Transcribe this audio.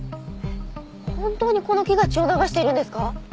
本当にこの木が血を流しているんですか！？